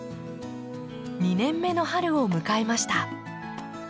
２年目の春を迎えました。